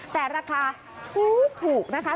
แต่ราคาถูกนะคะ